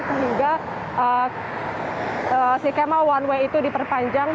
sehingga skema one way itu diperpanjang